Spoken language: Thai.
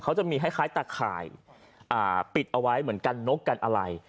เขาจะมีคล้ายตะข่ายปิดเอาไว้เหมือนกันนกกันอะไร